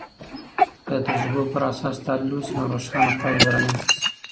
که د تجربو پراساس تحلیل وسي، نو روښانه پایلې به رامنځته سي.